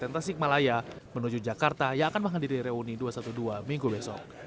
tasikmalaya menuju jakarta yang akan menghadiri reuni dua ratus dua belas minggu besok